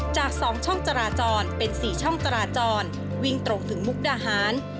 จาก๒ช่องจราจรเป็น๔ช่องจราจรวิ่งตรงถึงมุกดาหาร